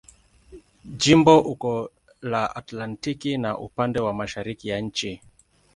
Jimbo uko la Atlantiki na upande wa mashariki ya nchi.